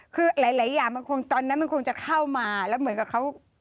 คือหลายอย่างมันคงตอนนั้นมันคงจะเข้ามาแล้วเหมือนกับเขา